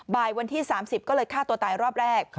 วันที่๓๐ก็เลยฆ่าตัวตายรอบแรก